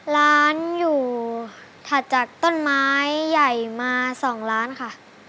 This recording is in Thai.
ร้านอยู่ถัดจากต้นไม้ใหญ่มา๒ล้านค่ะ